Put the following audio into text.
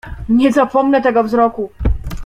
"Nie zapomnę tego wzroku!"